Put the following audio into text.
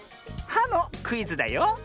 「は」のクイズだよ。